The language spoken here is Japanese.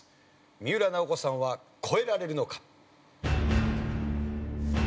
三浦奈保子さんは越えられるのか？